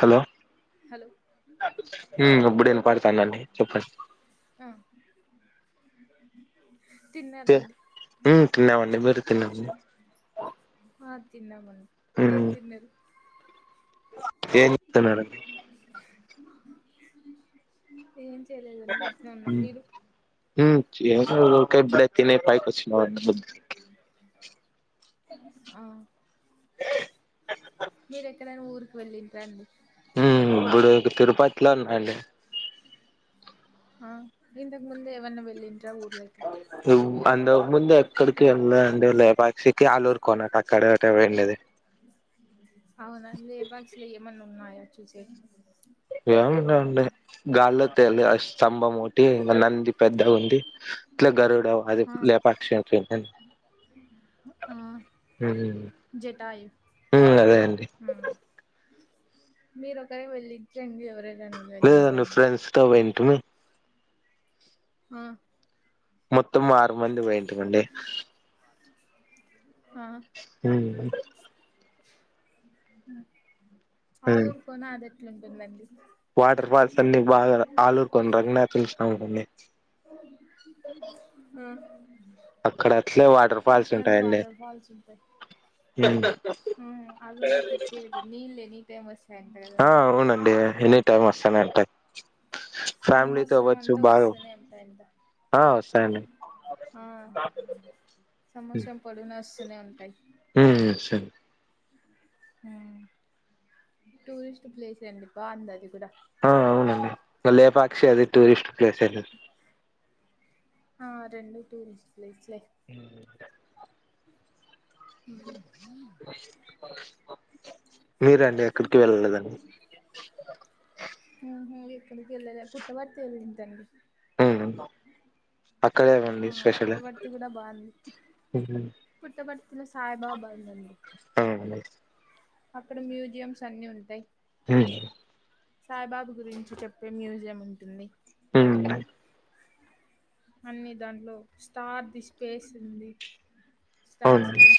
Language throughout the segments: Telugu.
హలో హలో ఇప్పుడు నేను పాడతానండి చెప్పండి ఆ [inaudible] తిన్నారండి తిన్నావండి మీరు తిన్నామండి తన్నందంది హ్మ్ ఏను తిన్నరు ఏం చెస్తా మేడం ఏ చేలేదుం చంటున్నా ఉన్నా మీరు ఏ తిన పకిచ్చ ఆ మీర ఎక్కడైనా ఊరికి వెళ్ళింట రండి ఇప్పుడు తిరుపతిలో ఉన్నాండి ఆ ఇందకు్ ముందే ఎవన్నా వెళ్ళింది అంతకు ముందు ఎక్కడికి వెళ్ళండి లేపా శకి అలురుకోనా కక్కడట వండది అవునండి ఏపాక్షలు ఏమన్నా ఉన్నాయా చూసే ఏముండ ఉ గాల్లో తెలి స్తంభం ఒకటి నంది పెద్ద ఉంది ఇల గర అది ఆ లేపాక్షం ఆ జటాయు అదే అండి ఉమ్ మీరు ఒకరే వెళ్ళించండి ఎవరైనా లేదండి వెళ్ళించండి ఫ్రెండ్స్తోంటి తుమ హ మొత్తం వ మంది పోయంటి అండి ఆ హ హ ఆళరుకోన్నా అద ఎట్లు ఉంటుందండి వాటర్ఫాల్స్ అన్ని బ ఆలూరు కొ రంగణ సాభనే ఆ అక్కడ అట్లే వాటర్ ఫాల్స్ అక్కడన్ని ఉంటాయండి వాటర్ ఫాల్స్ ఉంటాయి హ్మ్. అగుల్లో ప్రత్యేకత నీళ్ లే నీ టేమస్ా ఎంటదం ఆ అవునండి ఎనీ టైమ్ వస్తానే ఉంటాయి ఫ్యామిలీతో సంవత్సరం అవ్వచ్చు అంతా బాగా వస్తునే ఎంత ఎంత ఆ వస్తాయండి ఆ సమషం పడు బస్నే ఉంటాయి సరే టూరిస్ట్ ప్లేస్ ఎ అది బాగుంది అది కూడా ఆ అవునండి లేపాక్షి అది టూరిస్ట్ ప్లేస్ అండి ఆ రెండు టూరిస్ట్ ప్లేస్ [unintelligible] [unintelligible] మీరండి ఎక్కడికి వెళ్ళలేద అండి హ ఎక్కడికి వెళ్ళలా పుట్టబర్త వెళ్ళింటి అండి ఆ ఆ పుట్టబర్తి కూడా బాగుంది పుట్టబర్తి సాయిబాబ ది అవున అండి అక్కడ మ్యూజియంమ్స్ అన్ని ఉంటాయి హ సాయిబాబు గురించి చెప్పే మ్యూజియం ఉంటుంది హ అన్ని దాంట్లో స్టార్ ది స్పేస్ ఉంది స్టార్స్ అవునండి ది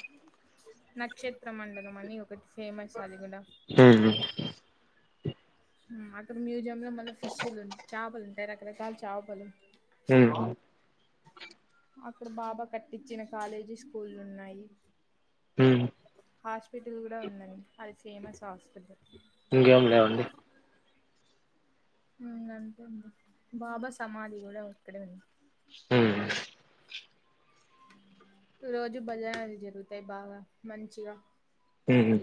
నక్షత్ర మండలం మని ఒక ఒకటి ఫేమస్ అది కూడా ఉమ్ అక్కడ మ్యూజి యం లో మల్లా ఫిష్లు చేపలు అంటేరకర కాలచాపలు హ అక్కడ బాబా కట్టించిన కాలేజీ స్కూల్ ఉన్నాయి హ్మ్ హాస్పిటల్ కూడా ఉందండి అది ఫేమస్ హాస్పిటల్ ఇంకేం లేవండి బాబా సమాధి కూడా అక్కడే ఉంది హ్మ్ రోజూ భజనలవి జరుగుతాయి బాగా మంచిగా హ్మ్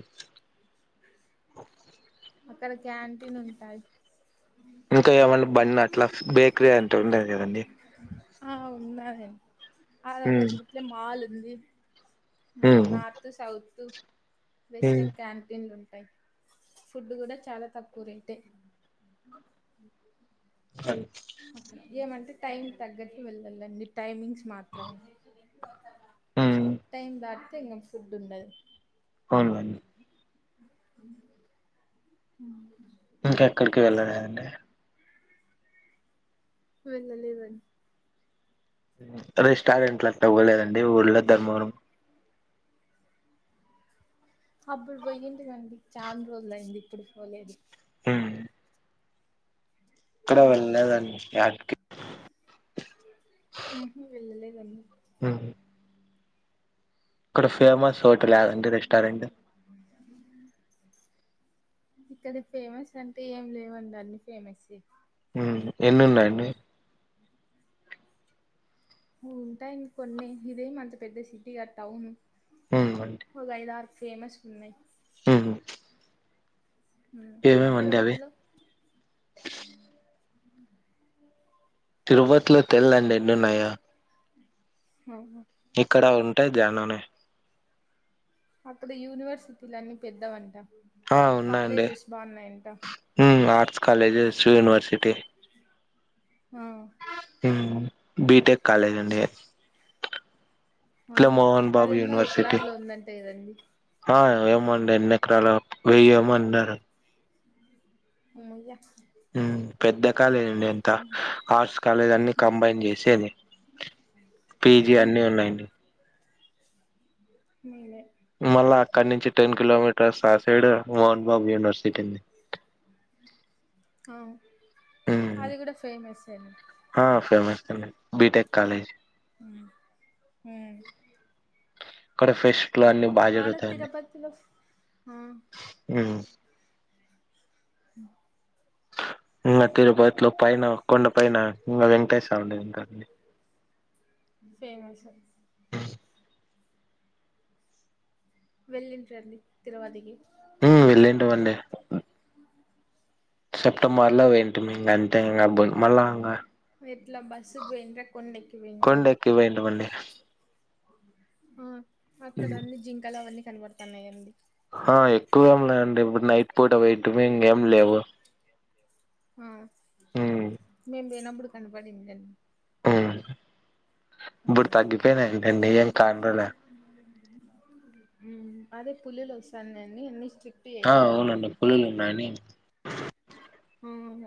అక్కడ క్యాంటీన్ ఉంటాయి ఇంకా ఏమన్నా బన్ అట్లా బేకరీ అంటే ఉండేది కదండి ఆ ఉన్నాయి హ్మ్ [unintelligible] మాల్ ఉంది హ్మ్ నార్తు సౌతు హ్మ్ వెస్టర్న్ క్యాంటీన్లు ఉం ఫుడ్ కూడా చాలా తక్కువ రేట్ ఎ సర అక్కడ ఏమంటే టైం తగ్గట్కి వెళ్ళాలండి టైమింగ్స్ మాత్రమే హ్మ్ టైం బాడ్ [inaudible] అవును మేడం ఇంకా ఎక్కడికి వెళ్ళలేదండి వెళ్ళ లేవండి రెస్టారెంట్ అంతవ్వలేదండి ఊర్లో ధర్మవరం అప్పుడు పోయ్యంటి కండి చాలా రోజులు అయింది ఇప్పుడు పోలేదు హ్మ్ ఎక్కడ వెళ్ళలేదండి యాటికి హ్మ్ [inaudible] ఇక్కడ ఫేమస్ [unintelligible] లేవండి రెస్టారెంట్ ఇక్కడ ఫేమస్ అంటే ఏం లేవండి అన్ని ఫేమస్సే హ్మ్ ఎన్ని ఉన్నాయండి ఉంటాయండి కొన్ని ఇదేమంత పెద్ద సిటీగాదు టౌను హ్మ్ అండి ఫేమస్ ఉన్నాయి ఊహూ తిరుపతిలో అ తిరుపతిలో తెల్దండి ఎన్నిఉన్నాయో హ్మ్ ఇక్కడ ఉంటాయి ధ్యాననే అక్కడ యూనివర్సిటీలన్నీ పెద్దవంట ఆ ఉన్నాయండి కాలేజెస్ బాగున్నాయంట హ్మ్ ఆర్ట్స్ కాలేజెస్ యూనివర్సిటీ ఆ హ్మ్మ్ బీటెక్ కాలేజ్ అండి ఆ ఇట్లా మోహన్ అది బాబు ఎన్నో యూనివర్సిటీ ఎకరాల్లో ఉందంటే కదండి ఆ ఏమండి ఎన్నిెకరాలు వెయ్యేమ అన్నారు మ్యా ఉమ్ పెద్ద పాలేదండి ఎంత ఉమ్ ఆర్ట్స్ కాలేజ్ అన్ని ఉమ్ కంబైన్ చేసేది పీజీ ఉమ్ అన్ని ఉన్నాయండి మీరే మళ్ళా అక్కడి నుంచి టెన్ కిలోమీటర్స్ ఆ సైడ్ మోహన్ బాబు యూనివర్సిటీంది ఆ అది కూడా ఫేమసే అండి ఫేమస్ అండి బిటెక్ కాలేజ్ హ్మ్మ్ కడ ఫ్రెష్ ఇట్లు అన్నిీ బాగా జరుగుతాయిడి తిరుపతిలో ఆ హ్మ్మ్ ఇకా తిరుపతిలో పైన కొండ పైన ఇ వెంకటేశ చౌండే ఉంటండి ఫేమస్ వెళ్ళంటారండి తిరువాతికి ఉ వెళ్ళింటివండి సెప్టెంబర్ లో వండి అంత మళ్ళ ఎట్లా బస్సుకు పోయిండ్రా కొండెక్కి పోయిండ్రా కొండకి వంట వంటడి ఆ అక్కనన్న జింకాలవన్న కనబడుతున్నాయి అడి ఆ ఎక్కువేమిన్నాయంండి ఇప్పుడు నయిట్పోర్ట్ అవయిటుమి ఎం లేవా ఆ మేము డు కనిబడిండి ఆ ఉమ్ ఇప్పుడు తగ్గిపోయినాడి ఏం కానలే అదే పులిలు వస్తానున్ని ఎన్ని స్ ఆ అవునండి పులులు ఉన్నాయని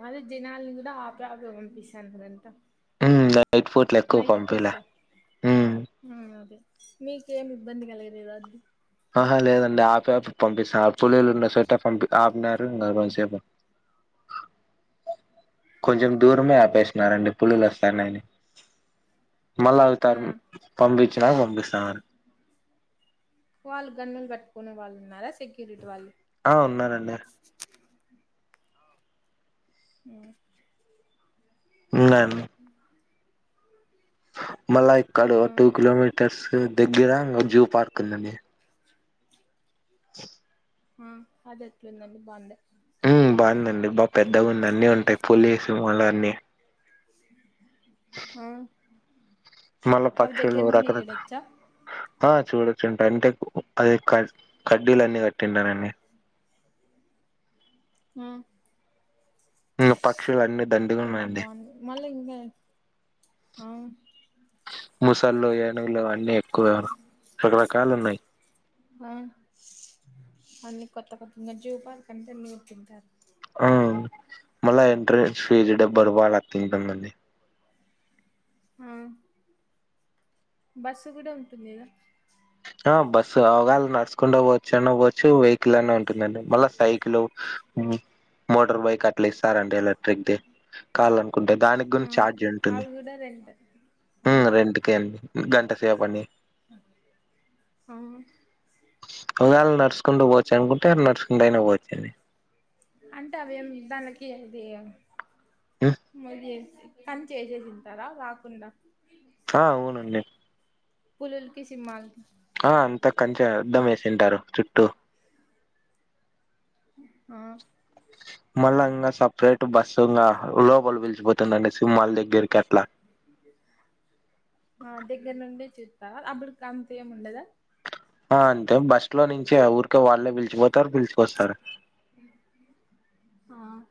అదే జనాాలని కూడా ఆపే ఆపే పంపిస్తానుదంతా నైట్ పూట్లు ఎక్కువ పంపీలా ఉమ్ అదే మీకేమి ఇబ్బంది కలగలేదా అది ఆహా లేదండి ఆపే ఆపి పంపిస్తాను పులీలు ఉన్న సోట పంపి ఆ పినారు ఇం కొసేపు ఆ కొంచెం దూరమే ఆపేష్ న్నారండి పుల్లులు వస్తన యండి మళ్ళ ఆ అరితారం పంపి చానా పంపిస్తా ఆరు వాళ్ళు గన్నులు పెట్టుకునే వాళ్ళు ఉన్నా సెక్యూరిటీ వాళ్ళు ఆ ఉన్నారండి అ ఉంద అన్ని స మళ్ళా ఇక్కడ ఆ టూ కిలోమీటర్స్ దగ్గర పార్కులనే ఇనో అడిబుల్ ఆ అదే ఎట్ల ఉందండి బావుందా ఉమ్ బాగుందండి బా పెద్దగా ఉంది అన్ని ఉంటాయి పోులీసు వాళ్ల అన్నిీ ఇన్ అడి బుల్ హా మళ పక్షిలు రకరక చూడొచ్చా ఆ చూడొచ్చుంట అంటే అది క కడ్డీలు అన్నిీ కట్టింటారండి హా డి పక్షులు అన్ని దండుగ అయితే ఉన్నాయండి బాగుంది మళ్ళీ ఇంకా ఆవు ముసళ్ళు ఏనుగులు అన్ని న్ని ఎక్కువ రకరకాలు ఉన్నాయి ఆ అన్ని కొత్త కొత్తగా జూపాల కంటే ఎన్ని తింటారు ఆ మళ ఎంటరే షేర్డ బర్వాళ తేట అన్నది అ బస్సు కూడా ఉంటుంది గ ఆ బస్సు అవేళ నడుస్కోంట పోవచ్చు అన పోవచ్చు వెయికల్ అన్న ఉంట్ అంటుందండి మళ్ళా సైకిలు అ మోటర్ బయిక్ అట్ల ఇస్తా రండి ఏదైనా రేక్ దే కావాలనుకుంటే దానికి గుం ఆ ఛార్ జ్ ఉంటుంది అవి కూడా రెంట్ రెంతకే అండి గంట సేప్ అండి హా ఉయాలనర్స్ కుండ పోవచ్చు అనుకుంటే నర్స్ కుంట అయినా పోవచ్చ [unintelligible] మరి కానీ చేసే తింటారా రాకుండా ఆ అవునండి పులల్కి సింహాల్కి ఆ అంత కంచ దమస్త సెంటారు చుట్టూ హా మళ్ళా ఇంకా సపరేట్ బస్సు ఇంగ లోపల పిలిచిపోతు సింహళ దగ్గరకి అట్లా ఆ దగ్గర నుండి చూస్తారా అప్పుడు అంత ఏం వుండదా ఆ అంతే బస్సులో నుంచె ఊరికే వాళ్ళే పిలిచిపోతారు పిలిచుకొస్తారు హుమ్మ్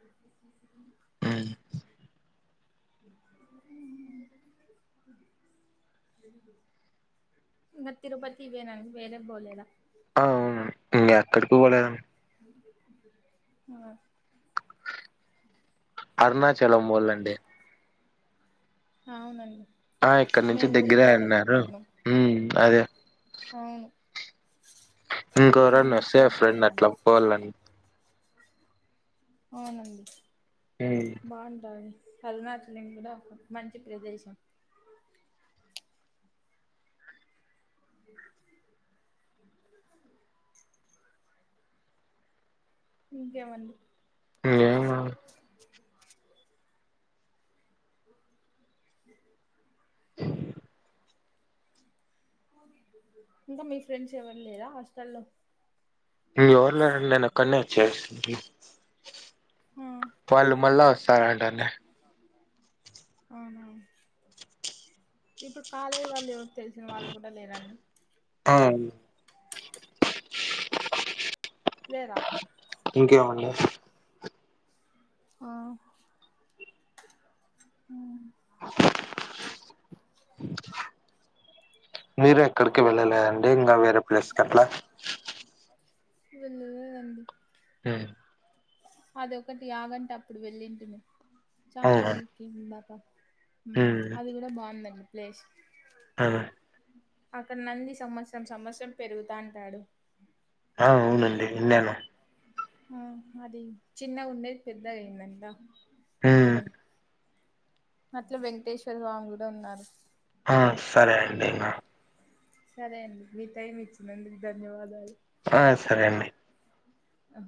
ఇంక తిరుపతి పొయినాక వేరే పోలేదా అ ఇంకా ఎక్కడికి పోలేదండి ఆ అరుణాచలం పోవాలాండి అవునండి ఆ ఇక్కడ నుంచి మేము కూడా దగ్గరే అన్నారు పోవాలనుకుంటున్నాం మ్... అదే అవును మ్ అవును ఇంకొవారున్న వేస్తే ఒకసారి ఫ్రెండ్ పోలేము అట్ల పోవాలండి అవునండి ఉమ్ బావుంటాది హల్మాట్లిం కూడా ఒక మంచి ప్రదేశం [inaudible] ఇంకేమండి ఏంలేదు ఇంక మీ ఫ్రెండ్స్ ఎవరు లేదా హాస్టల్లో ఎవరంలేరాండి నేను ఒక్కనే వచ్చే ఆ వాళ్ళు మళ్లీ వస్ ఆట అండి అవునా ఇప్పుడు కాలేజ్ వాళ్ళు తెలిసిన వాళ్ళు కూడా లేరాండి ఆ లేేరా ఇంకేమండి ఆమ్. మ్ మీరు ఎక్కడికి వెళ్ళలేద అండి? ఇంకా వేరే ప్లేస్ కట్లా? వెళ్లలేదండి. మ్ అది ఒకటి, యాగంటి అప్పుడు వెళ్ళింటిమి. చాన అవునా రోజుల్కి, ఇందాక మ్, ఉమ్ అది గూడ బావుందండి. ప్లేస్ ఆ అక్కడ నంది సంమత్సరం సంమత్సరం పెరుగుతాంటడు. ఆ, అవునండి విన్నాను. ఆ అది, చిన్నగుండేది పెద్దగయిందంట. ఉమ్ ఇప్పుడు అట్ల, వెంకటేశ్వర స్వామి కూడ ఉన్నారు. ఆ, సరే అండి ఇంగా. సరే అండి, మీ టైమ్ ఇచ్చినందుకు ధన్యవాదాలు. ఆ, సరే అండి. ఆ